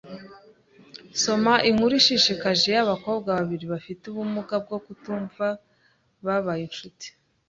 Soma inkuru ishishikaje y abakobwa babiri bafite ubumuga bwo kutumva babaye incuti